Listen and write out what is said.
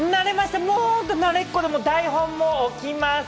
もう慣れっこで台本も置きます。